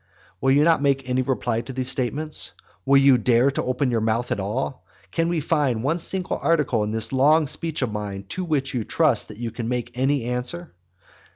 Will you make any reply to these statements? will you dare to open your mouth at all? Can you find one single article in this long speech of mine, to which you trust that you can make any answer?